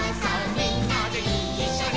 みんなでいっしょに」